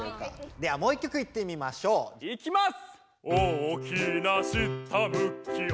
ではもういっきょくいってみましょう。いきます！